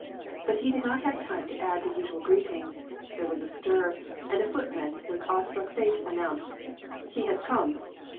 But he did not have time to add the usual greeting : there was a stir, and a footman with awestruck face announced, —" He has come."